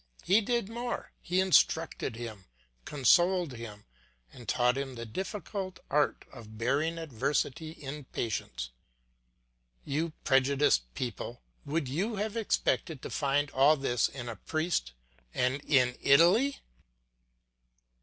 He did more, he instructed him, consoled him, and taught him the difficult art of bearing adversity in patience. You prejudiced people, would you have expected to find all this in a priest and in Italy?